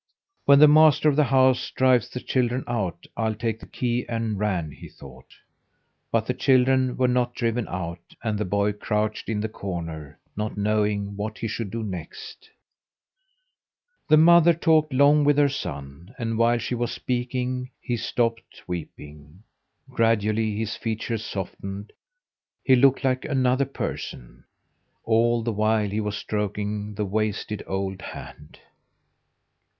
"When the master of the house drives the children out, I'll take the key and ran," he thought. But the children were not driven out and the boy crouched in the corner, not knowing what he should do next. The mother talked long with her son, and while she was speaking he stopped weeping. Gradually his features softened; he looked like another person. All the while he was stroking the wasted old hand.